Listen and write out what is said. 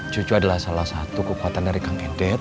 cucu adalah salah satu kekuatan dari kang emiten